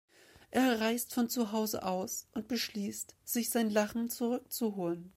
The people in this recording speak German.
Er reißt von zu Hause aus und beschließt, sich sein Lachen zurückzuholen.